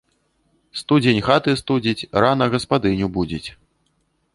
Студзень хаты студзіць, рана гаспадыню будзіць